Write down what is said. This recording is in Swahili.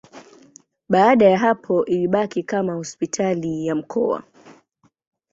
Baada ya hapo ilibaki kama hospitali ya mkoa.